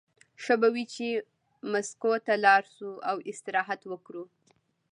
ښه به وي چې مسکو ته لاړ شي او استراحت وکړي